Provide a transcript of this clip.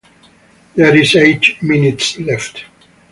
There is eight minutes left.